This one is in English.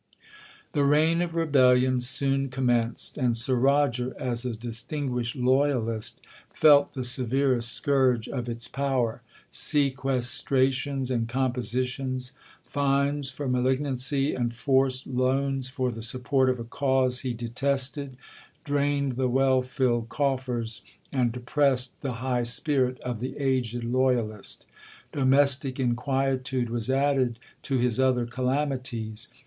'The reign of rebellion soon commenced,—and Sir Roger, as a distinguished loyalist, felt the severest scourge of its power. Sequestrations and compositions,—fines for malignancy, and forced loans for the support of a cause he detested,—drained the well filled coffers, and depressed the high spirit, of the aged loyalist. Domestic inquietude was added to his other calamities.